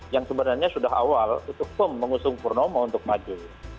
yang sebenarnya sudah awal untuk firm mengusung purnomo untuk maju